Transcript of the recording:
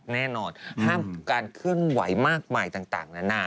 ห้ามการเคลื่อนไหวมากมายต่าง